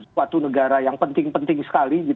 suatu negara yang penting penting sekali